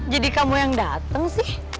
jadi kamu yang dateng sih